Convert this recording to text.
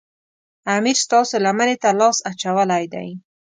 امیر ستاسو لمنې ته لاس اچولی دی.